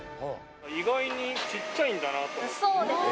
意外にちっちゃいんだなと思そうですね。